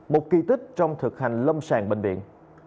một kỳ tích trong thực hành lâm sàng bệnh viện